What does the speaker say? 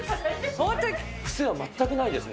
癖は全くないですね。